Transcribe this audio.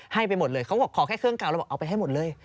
ให้ไปหมดเลยเขาบอกขอแค่เครื่องเก่าแล้วบอกเอาไปให้หมดเลย